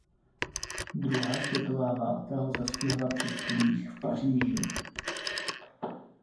Druhá světová válka ho zastihla při studiích v Paříži.